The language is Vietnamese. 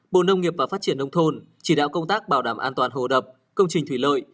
bốn bộ nông nghiệp và phát triển nông thôn chỉ đạo công tác bảo đảm an toàn hồ đập công trình thủy lợi